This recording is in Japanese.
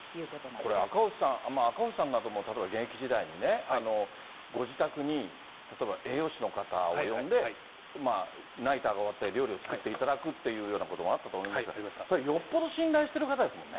これ、赤星さん、赤星さんなども例えば現役時代に、ご自宅に、例えば栄養士の方を呼んで、ナイターが終わったら料理を作っていただくというようなこともあったと思いますが、それ、よっぽど信頼してる方ですもんね。